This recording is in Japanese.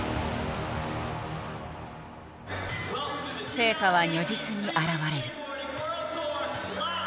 成果は如実に表れる。